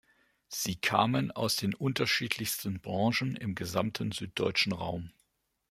Sie kamen aus den unterschiedlichsten Branchen im gesamten süddeutschen Raum.